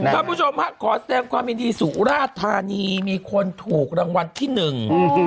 คุณผู้ชมฮะขอแสดงความยินดีสุราธานีมีคนถูกรางวัลที่หนึ่ง